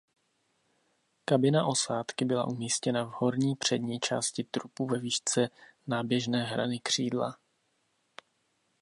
Kabina osádky byla umístěna v horní přední části trupu ve výšce náběžné hrany křídla.